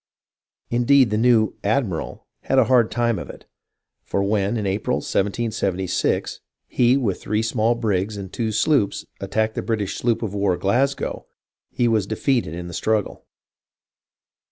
Indeed, the new "ad miral" had a hard time of it; for when, in April, 1776, he, with three small brigs and two sloops, attacked the British sloop of war Glasgozv, he was defeated in the struggle.